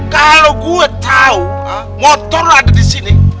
kalau gua tau motor lu ada disini